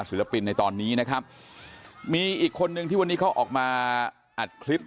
ศิลปินในตอนนี้นะครับมีอีกคนนึงที่วันนี้เขาออกมาอัดคลิป